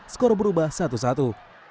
skor berubah satu satu